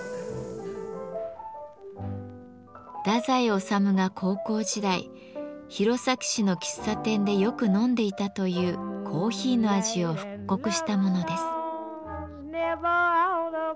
太宰治が高校時代弘前市の喫茶店でよく飲んでいたというコーヒーの味を復刻したものです。